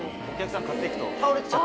お客さん買って行くと。